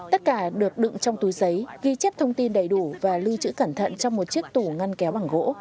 tất cả được đựng trong túi giấy ghi chép thông tin đầy đủ và lưu trữ cẩn thận trong một chiếc tủ ngăn kéo bằng gỗ